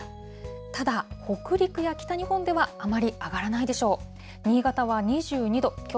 ただ、北陸や北日本ではあまり上がらないでしょう。